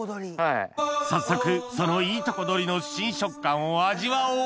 早速そのいいとこ取りの新食感を味わおう！